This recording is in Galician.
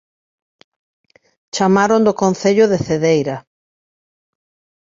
Chamaron do Concello de Cedeira